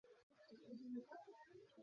চালিয়ে যাও, লাটভিয়ান!